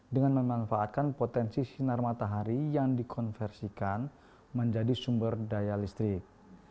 dengan memanfaatkan potensi sinar matahari yang dikonversikan menjadi sumber daya listrik